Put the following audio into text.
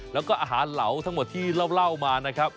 แล้วก็อาหารเหลาทั้งหมดที่เล่ามานะครับ